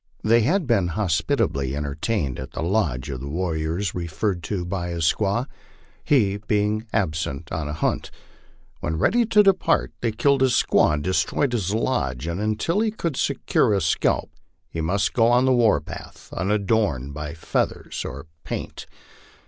They had been hospitably entertained at the lodge of the warrior referred to by his squaw, he being absent on a hunt. When ready to depart they killed his squaw and destroyed his lodge, and until he could secure a scalp he must go on the war path unadorned by feathers or paint.